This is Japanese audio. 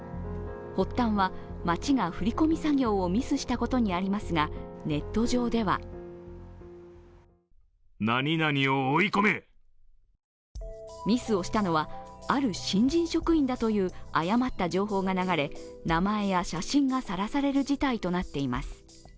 発端は、町が振込作業をミスしたことにありますがネット上ではミスをしたのは、ある新人職員だという誤った情報が流れ、名前や写真がさらされる事態となっています。